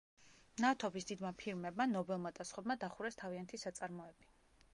ნავთობის დიდმა ფირმებმა, ნობელმა და სხვებმა, დახურეს თავიანთი საწარმოები.